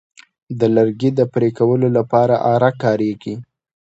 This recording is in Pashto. د لرګي د پرې کولو لپاره آره کاریږي.